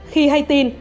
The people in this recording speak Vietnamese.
khi hay tin